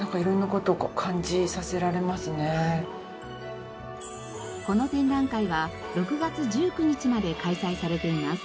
この展覧会は６月１９日まで開催されています。